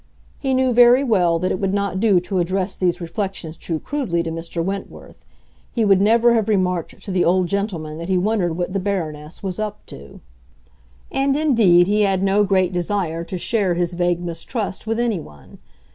He knew very well that it would not do to address these reflections too crudely to Mr. Wentworth; he would never have remarked to the old gentleman that he wondered what the Baroness was up to. And indeed he had no great desire to share his vague mistrust with anyone.